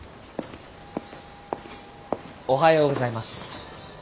おはようございます。